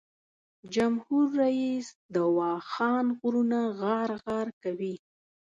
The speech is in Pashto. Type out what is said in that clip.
جمهور رییس د واخان غرونه غار غار کوي.